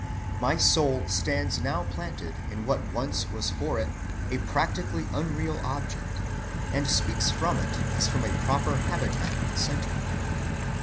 My soul stands now planted in what once was for it a practically unreal object, and speaks from it as from its proper habitat and centre.